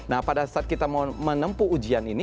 nah pada saat kita mau menempuh ujian ini